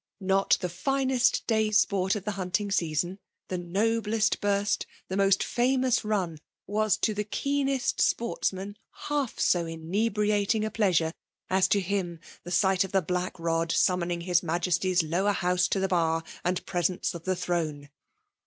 Not the finest first day's sport of FEMALE DOMINATION. 167 the hunting season^ the noblest bunt, the most fiunpus ran, was to the keenest sportsman half so inebriating a pleasure, as to him the sight of the Black Sod summoning his Majesty's Lower House to the bar and presence of the throne.